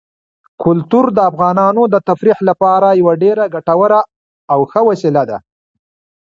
کلتور د افغانانو د تفریح لپاره یوه ډېره ګټوره او ښه وسیله ده.